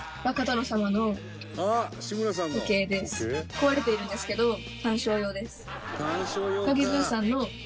壊れているんですけど観賞用です。